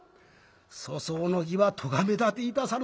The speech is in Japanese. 「粗相の儀は咎め立ていたさぬ。